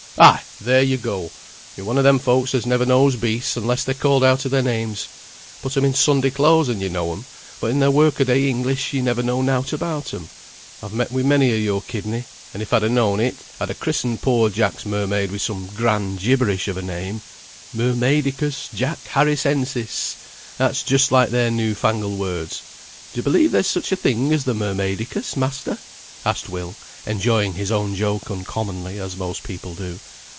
"Ay, there you go! You're one o' them folks as never knows beasts unless they're called out o' their names. Put 'em in Sunday clothes and you know 'em, but in their work a day English you never know nought about 'em. I've met wi' many o' your kidney; and if I'd ha' known it, I'd ha' christened poor Jack's mermaid wi' some grand gibberish of a name. Mermaidicus Jack Harrisensis; that's just like their new fangled words. D'ye believe there's such a thing as the Mermaidicus, master?" asked Will, enjoying his own joke uncommonly, as most people do.